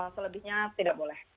selebihnya tidak boleh